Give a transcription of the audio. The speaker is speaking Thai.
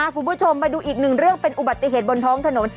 คุณผู้ชมมาดูอีกหนึ่งเรื่องเป็นอุบัติเหตุบนท้องถนน